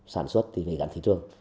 sản xuất thì phải gắn thị trường